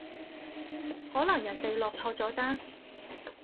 可能人哋落錯咗單